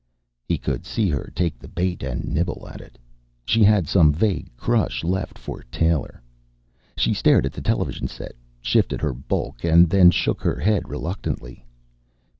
He could see her take the bait and nibble at it. She had some vague crush left for Taylor. She stared at the television set, shifted her bulk, and then shook her head reluctantly.